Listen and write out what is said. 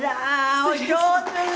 お上手ね！